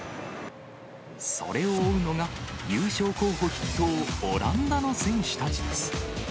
それを追うのが、優勝候補筆頭、オランダの選手たちです。